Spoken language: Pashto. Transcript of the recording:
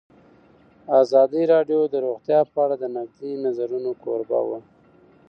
ازادي راډیو د روغتیا په اړه د نقدي نظرونو کوربه وه.